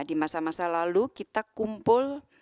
di masa masa lalu kita kumpul